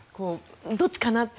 どっちかなって。